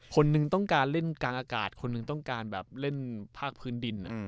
คนหนึ่งต้องการเล่นกลางอากาศคนหนึ่งต้องการแบบเล่นภาคพื้นดิน